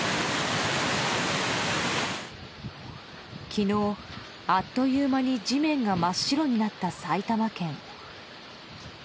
昨日、あっという間に地面が真っ白になった埼玉県。